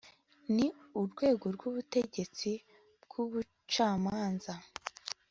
ni urwego rw'ubutegetsi bw'ubucamanza